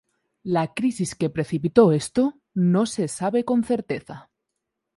La crisis que precipitó esto no se sabe con certeza.